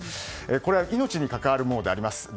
これは命に関わるものであります。